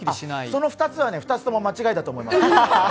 その２つはね、２つとも間違いだと思います。